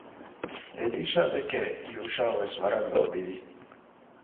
އެލީޝާދެކެ ޔޫޝައުވެސް ވަރަށް ލޯބިވި